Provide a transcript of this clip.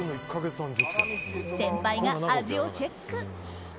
先輩が味をチェック。